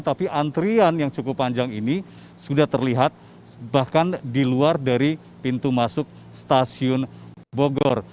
tapi antrian yang cukup panjang ini sudah terlihat bahkan di luar dari pintu masuk stasiun bogor